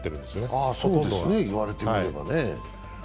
ああ、そうですね、言われてみれば。